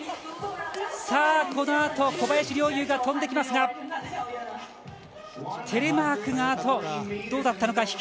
このあと小林陵侑が飛んできますがテレマークがあとはどうだったのか。